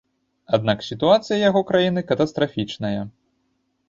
Аднак сітуацыя яго краіны катастрафічная.